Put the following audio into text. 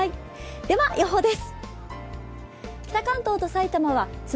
では、予報です。